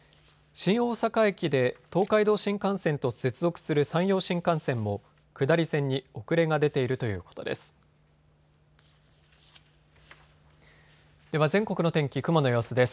新大阪駅で東海道新幹線と接続する山陽新幹線も下り線に遅れが出ているということです。